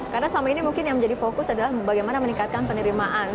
karena selama ini mungkin yang menjadi fokus adalah bagaimana meningkatkan penerimaan